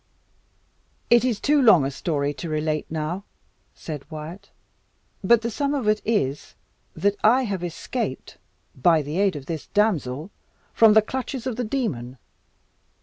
"It is too long a story to relate now," said Wyat; "but the sum of it is, that I have escaped, by the aid of this damsel, from the clutches of the demon.